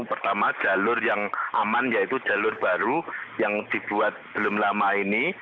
pertama jalur yang aman yaitu jalur baru yang dibuat belum lama ini